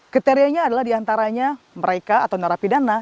kriterianya adalah diantaranya mereka atau narapidana